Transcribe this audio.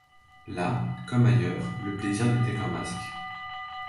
Là, comme ailleurs, le plaisir n’était qu’un masque.